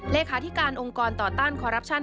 เลขาธิการองค์กรต่อต้านคอรัปชั่น